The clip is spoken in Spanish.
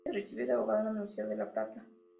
Se recibió de abogado en la Universidad de La Plata.